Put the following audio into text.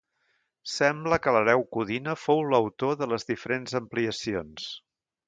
Sembla que l'hereu Codina fou l'autor de les diferents ampliacions.